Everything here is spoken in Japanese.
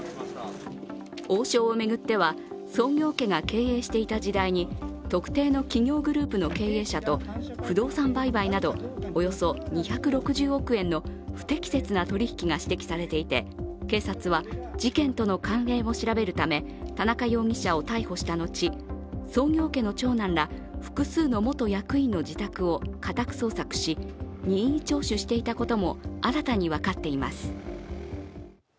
王将を巡っては創業家が経営していた時代に特定の企業グループの経営者と不動産売買などおよそ２６０億円の不適切な取り引きが指摘されていて警察は事件との関連を調べるため田中容疑者を逮捕したのち、創業家の長男ら複数の元役員の自宅を家宅捜索し任意聴取していたことも新たに分かっています。